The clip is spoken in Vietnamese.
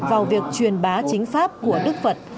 vào việc truyền bá chính pháp của đức phật